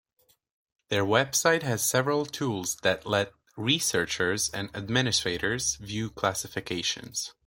Their website has several tools that let researchers and administrators view classifications.